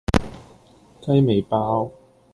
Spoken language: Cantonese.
雞尾包